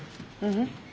うん。